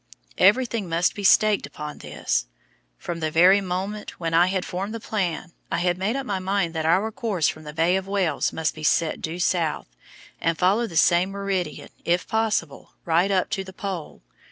Everything must be staked upon this. From the very moment when I had formed the plan, I had made up my mind that our course from the Bay of Whales must be set due south, and follow the same meridian, if possible, right up to the Pole.